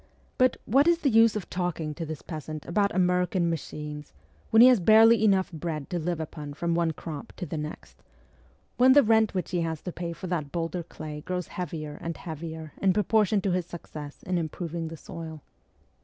... But what is the use of talking to this peasant about American machines, when he has barely enough bread to live upon from one crop to the next ; when the rent which he has to pay for that boulder clay grows heavier and heavier in proportion to his success in improving the soil